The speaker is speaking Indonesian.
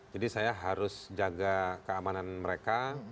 jadi saya harus jaga keamanan mereka